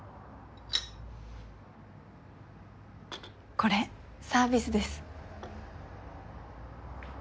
これサービスです。